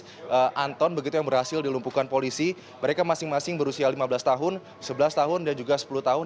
dan juga anton begitu yang berhasil dilumpukan polisi mereka masing masing berusia lima belas tahun sebelas tahun dan juga sepuluh tahun